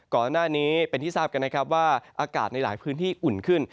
ก่อนหน้านี้เป็นที่ทราบกันนะครับว่าอากาศในหลายพื้นที่อุ่นขึ้น